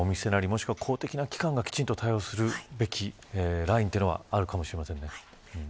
公的な機関がきちんと対応するべきラインというのはあるかもしれません。